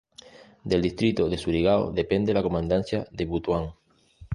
Del distrito de Surigao depende la comandancia de Butuan.